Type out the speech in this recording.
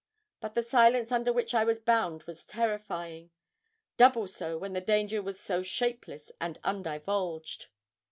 But the silence under which I was bound was terrifying double so when the danger was so shapeless and undivulged.